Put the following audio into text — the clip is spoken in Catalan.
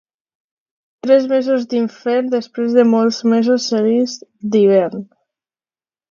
Tres mesos d'infern després de molts mesos seguits d'hivern.